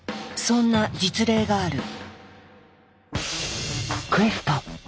そんな実例がある。